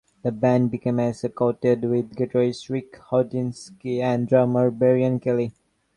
The band began as a quartet with guitarist Ric Hordinski and drummer Brian Kelley.